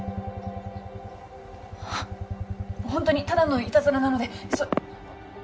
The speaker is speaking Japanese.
本当にただのいたずらなので。